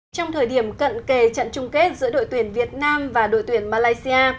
trong thời điểm cận kề trận chung kết giữa đội tuyển việt nam và đội tuyển malaysia